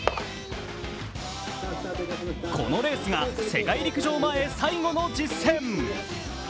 このレースが世界陸上前最後の実戦。